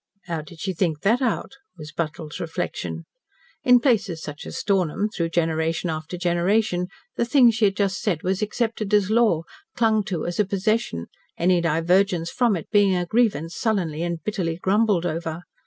"How did she think that out?" was Buttle's reflection. In places such as Stornham, through generation after generation, the thing she had just said was accepted as law, clung to as a possession, any divergence from it being a grievance sullenly and bitterly grumbled over.